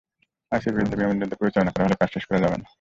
আইএসের বিরুদ্ধে বিমান যুদ্ধ পরিচালনা করা হলে কাজ শেষ হয়ে যাবে না।